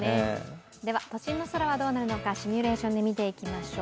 都心の空はどうなるのか、シミュレーションで見ていきましょう。